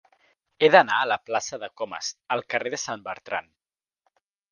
He d'anar de la plaça de Comas al carrer de Sant Bertran.